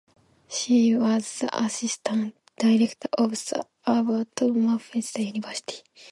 She was the assistant director of the Alberto Masferrer University.